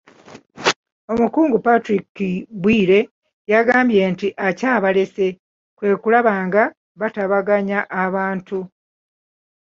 Omukungu, Patrick Bwire, yagambye nti ekyabaleese kwe kulaba nga batabaganya abantu.